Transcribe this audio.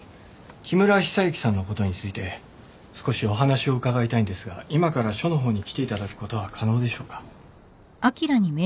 木村久之さんのことについて少しお話を伺いたいんですが今から署の方に来ていただくことは可能でしょうか？